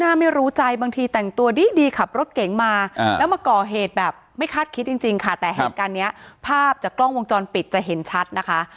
ไม่รู้ใจบางทีแต่งตัวดีขับรถเก๋งมาแล้วมาก่อเหตุแบบไม่คาดคิดจริงค่ะแต่เหตุการณ์เนี้ยภาพจากกล้องวงจรปิดจะเห็นชัดนะคะ